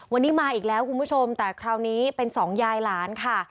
วันนี้มาอีกแล้วคุณผู้ชมแต่คราวนี้เป็นสองยายหลานค่ะ